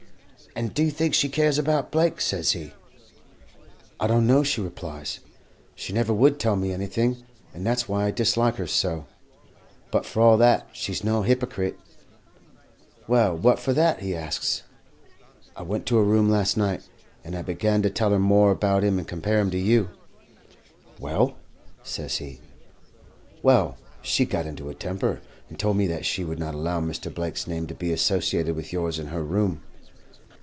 "'And do you think she cares about Blake?' says he. "'I don't know,' she replies. 'She never would tell me anything, and that's why I dislike her so. But, for all that, she's no hypocrite.' "'Well, what for that?' he asks. "'I went to her room last night, and I began to tell her more about him and compare him with you.' "'Well?' says he. "'Well, she got into a temper, and told me that she would not allow Mr. Blake's name to be associated with yours in her room.'